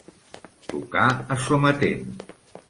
Tocar a sometent.